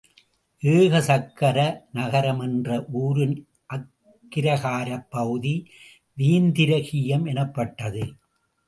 ஏக சக்கர நகரம் என்ற ஊரின் அக்கிரகாரப்பகுதி வேத்திரகீயம் எனப்பட்டது.